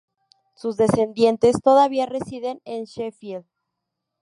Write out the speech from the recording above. Sus descendientes todavía residen en Sheffield.